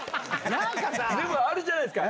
でも、あれじゃないですか。